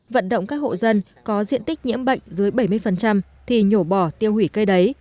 vận động các hộ dân có diện tích nhiễm bệnh dưới bảy mươi thì nhổ bỏ tiêu hủy cây đấy